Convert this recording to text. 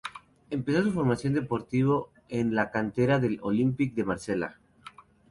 Empezó su formación deportivo en la cantera del Olympique de Marsella.